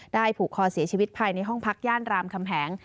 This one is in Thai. ผูกคอเสียชีวิตภายในห้องพักย่านรามคำแหง